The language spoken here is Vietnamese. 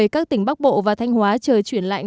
các tỉnh bắc bộ và thanh hóa trời chuyển lạnh